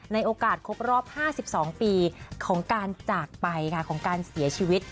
ในโอกาสครบรอบ๕๒ปีของการจากไปค่ะของการเสียชีวิต